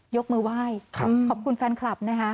ยกมือไหว้ขอบคุณแฟนคลับนะคะ